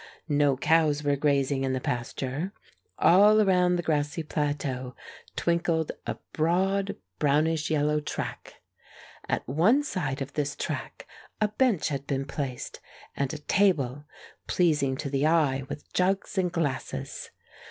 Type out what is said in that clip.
No cows were grazing in the pasture. All around the grassy plateau twinkled a broad brownish yellow track. At one side of this track a bench had been placed, and a table, pleasing to the eye, with jugs and glasses.